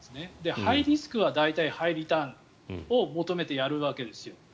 ハイリスクは大体ハイリターンを求めてやるわけですよ。